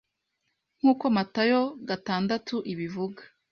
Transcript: nkuko Matayo gatandatu ibivuga